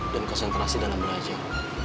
dan konsentrasi dalam belajar